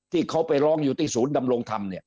ที่เขาไปร้องอยู่ที่ศูนย์ดำรงธรรม